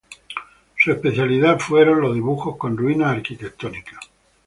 Su especialidad fueron los dibujos con ruinas arquitectónicas.